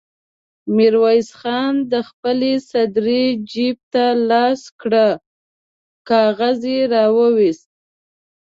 ميرويس خان د خپلې سدرۍ جېب ته لاس کړ، کاغذ يې را وايست.